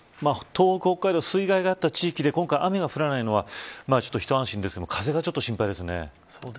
東北、北海道水害があった地域で雨が降らないのは一安心ですが、風が心配ですね。